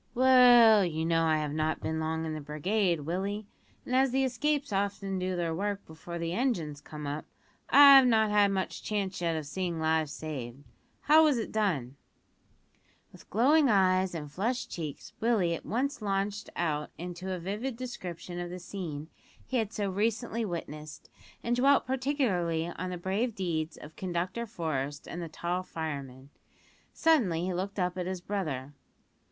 "Well, you know I have not been long in the brigade, Willie, and as the escapes often do their work before the engines come up, I've not had much chance yet of seeing lives saved. How was it done?" With glowing eyes and flushed cheeks Willie at once launched out into a vivid description of the scene he had so recently witnessed, and dwelt particularly on the brave deeds of Conductor Forest and the tall fireman. Suddenly he looked up at his brother.